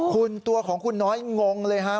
คุณตัวของคุณน้อยงงเลยฮะ